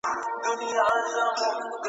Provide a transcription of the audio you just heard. په دوس کلي کي مېلمه مشر وي !.